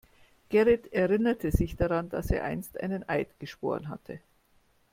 Gerrit erinnerte sich daran, dass er einst einen Eid geschworen hatte.